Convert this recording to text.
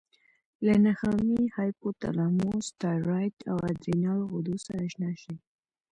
له نخامیې، هایپوتلاموس، تایرایډ او ادرینال غدو سره آشنا شئ.